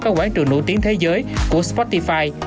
các quán trường nổi tiếng thế giới của spotify